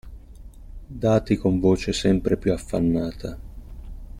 Dati con voce sempre più affannata.